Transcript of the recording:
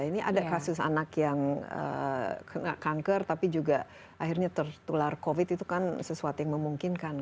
ini ada kasus anak yang kena kanker tapi juga akhirnya tertular covid itu kan sesuatu yang memungkinkan